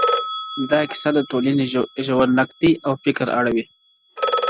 • دا کيسه د ټولنې ژور نقد دی او فکر اړوي..